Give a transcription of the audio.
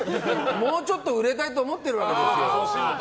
もうちょっと売れたいと思ってるわけですよ。